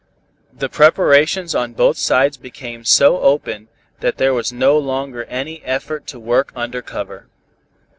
The preparations on both sides became so open, that there was no longer any effort to work under cover.